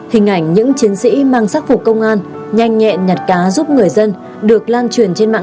hình ảnh những chiến sĩ mang sắc phục công an nhanh nhẹn nhặt cá giúp người dân được lan truyền trên mạng